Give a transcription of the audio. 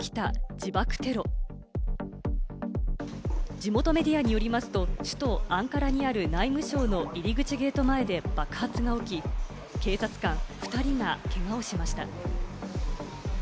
地元メディアによりますと、首都アンカラにある内務省の入り口ゲート前で、爆発が起き、警察官２人がけがをしました。